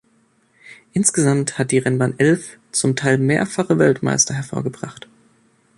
Insgesamt hat die Rennbahn elf, zum Teil mehrfache Weltmeister, hervorgebracht.